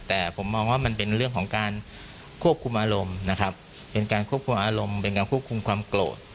แต่ผมมองว่ามันเป็นเรื่องของการควบคุมอารมณ์นะครับเป็นการควบคุมอารมณ์เป็นการควบคุมความโกรธ